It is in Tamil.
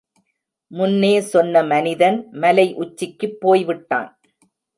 முன்னே சொன்ன மனிதன் மலை உச்சிக்குப் போய்விட்டான்.